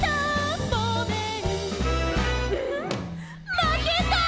まけた」